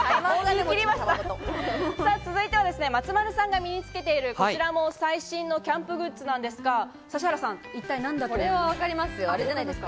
続いては松丸さんが身につけている、こちらの最新キャンプグッズですが、指原さん、何だと思いますか？